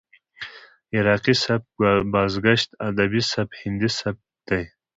عراقي سبک، بازګشت ادبي سبک، هندي سبک دى.